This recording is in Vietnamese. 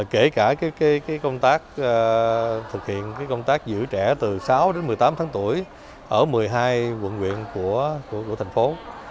kể cả cái công tác thực hiện cái công tác giữ trẻ từ sáu đến một mươi tám tháng tuổi ở một mươi hai quận huyện của thành phố